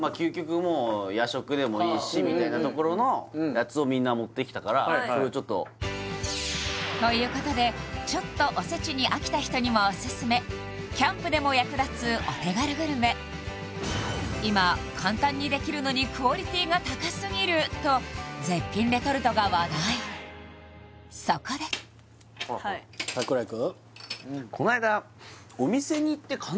もう夜食でもいいしみたいなところのやつをみんな持ってきたからそれをちょっとということでちょっとおせちに飽きた人にもおすすめ今簡単にできるのにクオリティーが高すぎるとそこで櫻井くん